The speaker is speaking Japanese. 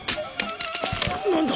何だ？